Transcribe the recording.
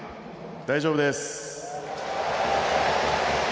大丈夫です！